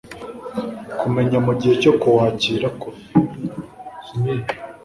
kumenya mu gihe cyo kuwakira ko